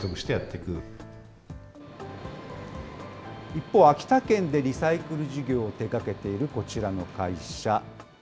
一方、秋田県でリサイクル事業を手がけているこちらの会社。